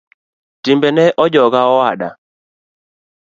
Timbene ojoga owada.